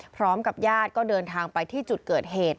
พร้อมกับญาติก็เดินทางไปที่จุดเกิดเหตุ